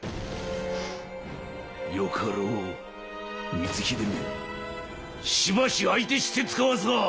よかろう光秀めしばし相手してつかわすわ！